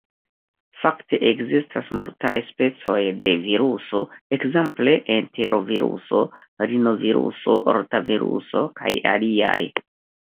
Fakte ekzistas multaj specoj de viruso, ekzemple enteroviruso, rinoviruso, rotaviruso kaj aliaj.